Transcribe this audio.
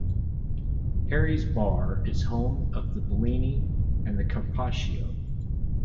Harry's Bar is home of the Bellini and Carpaccio.